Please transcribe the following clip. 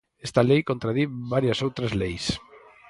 Esta lei contradí varias outras leis.